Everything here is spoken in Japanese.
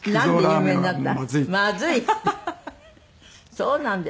そうなんで。